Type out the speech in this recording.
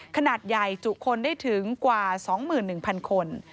ขนาดใหญ่จุคนได้ถึงกว่า๒๑๐๐คน